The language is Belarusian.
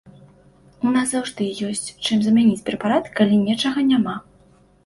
У нас заўжды ёсць, чым замяніць прэпарат, калі нечага няма.